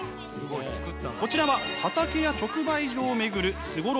こちらは畑や直売所を巡るすごろく。